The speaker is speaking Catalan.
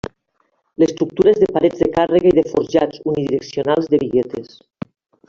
L'estructura és de parets de càrrega i de forjats unidireccionals de biguetes.